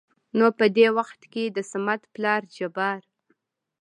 نو په د وخت کې دصمد پلار جبار